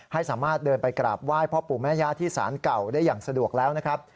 ให้สามารถเดินไปกราบไหว้พ่อปู่แม่ย่าที่สารเก่าได้อย่างสะดวกแล้วนะครับ